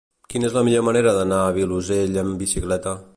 Quina és la millor manera d'anar al Vilosell amb bicicleta?